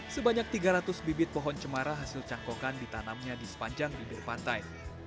sebanyak tiga ratus bibit pohon cemara hasil cangkokan ditanamnya di sepanjang bibir pantai